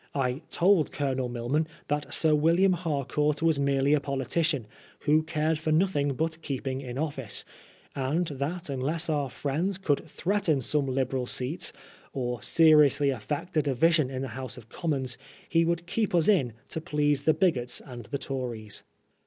I told Colonel Milman that Sir William Harcourt was merely a poli tician, who cared for nothing but keeping in of&ce ; and that unless our friends could threaten some Liberal seats, or seriously affect a division in the House of Commons, he would keep us in to please the bigots and the Tories.